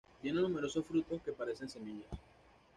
Tiene numerosos frutos que parecen semillas.